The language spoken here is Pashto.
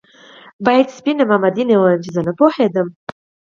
باید سپينه مامدينه ووايم چې زه نه پوهېدم